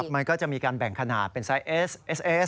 มันก็จะมีการแบ่งขนาดเป็นไซส์เอสเอสเอส